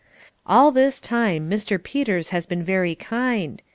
All this time Mr. Peters has been very kind.